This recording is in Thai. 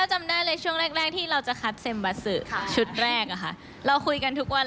เอาอย่างนี้ดีกว่าเราพูดถึงเพลงกันบ้าง